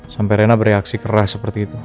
sampe rina bereaksi keras seperti itu